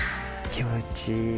気持ちいい。